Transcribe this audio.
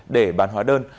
để bán hóa đơn